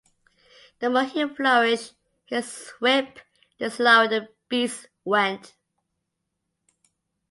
The more he flourished his whip the slower the beasts went.